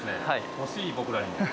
欲しい僕らにも。